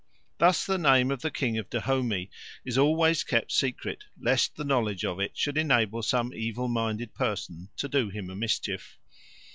Thus the name of the king of Dahomey is always kept secret, lest the knowledge of it should enable some evil minded person to do him a mischief.